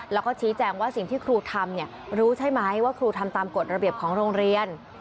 แล้วก็ชี้แจงว่าสิ่งที่ครูทำรู้ใช่ไหมว่าครูทำตามกฎระเบียบของโรงเรียน